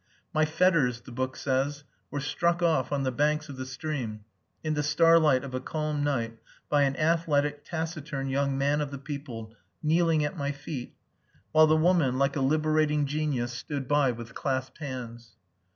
"My fetters" the book says "were struck off on the banks of the stream, in the starlight of a calm night by an athletic, taciturn young man of the people, kneeling at my feet, while the woman like a liberating genius stood by with clasped hands."